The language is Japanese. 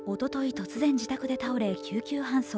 突然自宅で倒れ救急搬送。